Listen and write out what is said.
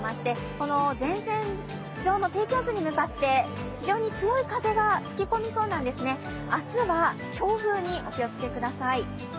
この前線上の低気圧に向かって非常に強い風が吹き込みそうなんですね、明日は強風にお気をつけください。